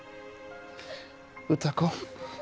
歌子。